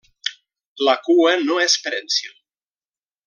La cua no és prènsil.